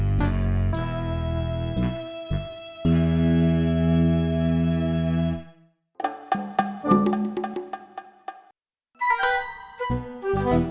ya arang patah